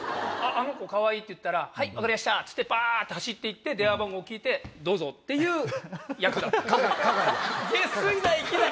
「あの子かわいい」って言ったら「はい分かりやした」ってバって走って行って電話番号聞いて。っていう役だったんです。